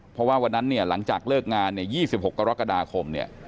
เพราะวันนั้นหลังจากเลิกงาน๒๖กรกฎาคม